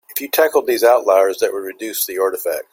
If you tackled these outliers that would reduce the artifacts.